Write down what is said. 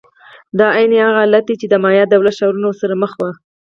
دا عین هغه حالت دی چې د مایا دولت ښارونه ورسره مخ وو.